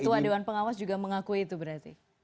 ketua dewan pengawas juga mengakui itu berarti